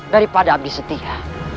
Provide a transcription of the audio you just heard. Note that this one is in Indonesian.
daripada abdi setia